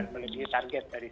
dan melebihi target dari sepuluh